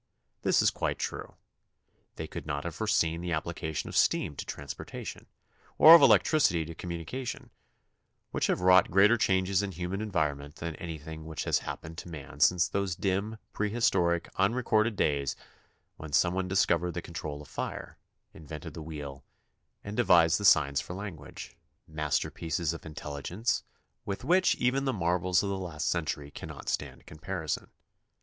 This is quite true. They could not have foreseen the application of steam to transportation, or of electricity to communi cation, which have wrought greater changes in human environment than anything which has happened to man since those dim, prehistoric, unrecorded days when some one discovered the control of fire, invented the wheel, and devised the signs for language, master THE CONSTITUTION AND ITS MAKERS 45 pieces of intelligence with which even the marvels of the last century cannot stand comparison.